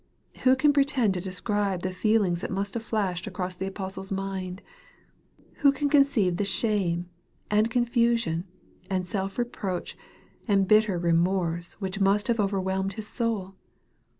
Who can pretend to describe the feelings that must have flashed across the apostle's mind ? Who can conceive the shame, and con fusion, and self reproach, and bitter remorse which must have overwhelmed his soul